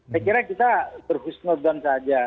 saya kira kita berhusnodon saja